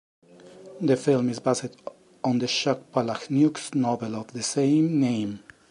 The film is based on the Chuck Palahniuk's novel of the same name.